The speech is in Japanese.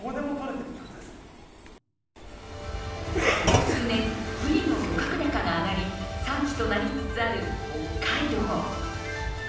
ここ数年、ブリの漁獲高が上がり産地となりつつある北海道。